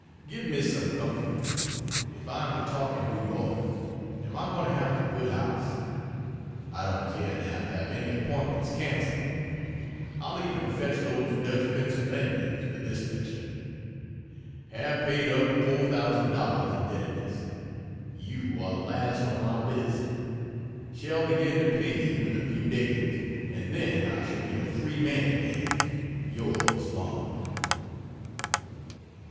Give me some comfort. If I am to talk in New York am I going to have a good house? I don't care now to have any appointments cancelled. I'll even "fetch" those Dutch Pennsylvanians with this lecture. Have paid up $4000 indebtedness. You are the last on my list. Shall begin to pay you in a few days and then I shall be a free man again. Yours, MARK.